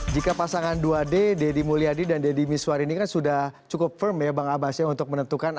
jika pasangan dua d deddy mulyadi dan deddy miswar ini kan sudah cukup firm ya bang abbas ya untuk menentukan